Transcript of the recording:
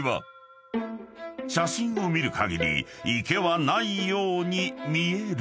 ［写真を見るかぎり池はないように見えるが］